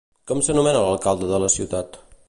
Com s'anomena l'alcalde de la ciutat?